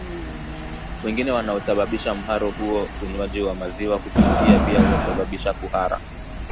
wengine wanaosababisha mharo huo Unywaji wa maziwa kupindukia pia husababisha kuhara